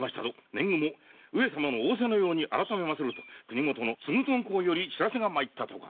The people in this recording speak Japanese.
年貢も上様の仰せのように改めますると国許の継豊公より報せが参ったとか。